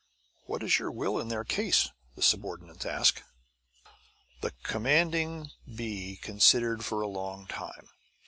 "What is your will in their case?" the subordinate asked. The commanding bee considered for a long time.